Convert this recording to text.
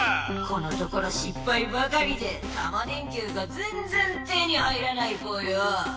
このところしっぱいばかりでタマ電Ｑがぜんぜん手に入らないぽよ。